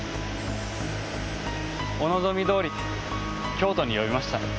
お望みどおり京都に呼びました。